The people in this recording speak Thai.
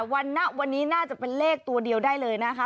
ณวันนี้น่าจะเป็นเลขตัวเดียวได้เลยนะคะ